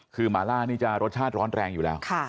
คือหมาล่านี่จะรสชาติร้อนแรงอยู่แล้ว